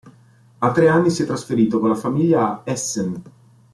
A tre anni si è trasferito con la famiglia a Essen.